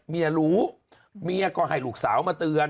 เมียรู้เมียก็ให้ลูกสาวมาเตือน